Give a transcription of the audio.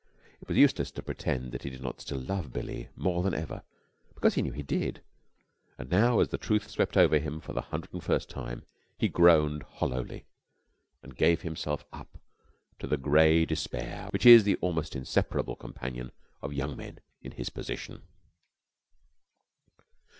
It was useless to pretend that he did not still love Billie more than ever, because he knew he did; and now, as the truth swept over him for the hundred and first time, he groaned hollowly and gave himself up to the gray despair which is the almost inseparable companion of young men in his position.